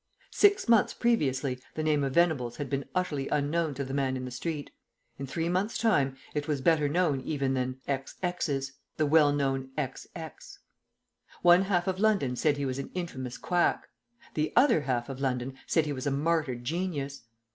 Six months previously the name of Venables had been utterly unknown to the man in the street. In three months' time it was better known even than 's, the well known . One half of London said he was an infamous quack. The other half of London said he was a martyred genius.